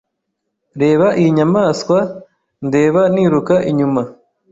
Reba iyi nyamaswa ndeba niruka inyuma